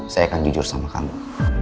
saya akan jujur sama kamu